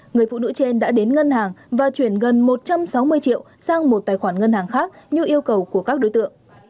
người phụ nữ trên đã đến ngân hàng và chuyển gần một trăm sáu mươi triệu sang một tài khoản ngân hàng khác như yêu cầu của các đối tượng